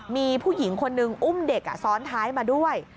มีผู้หญิงคนนึงอุ้มเด็กซ้อนท้ายมาด้วย